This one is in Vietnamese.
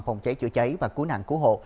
phòng cháy chữa cháy và cứu nạn cứu hộ